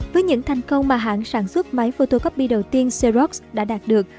với những thành công mà hãng sản xuất máy photocopy đầu tiên serost đã đạt được